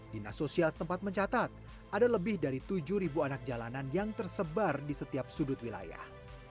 dinas sosial setempat mencatat ada lebih dari tujuh anak jalanan yang tersebar di setiap sudut wilayah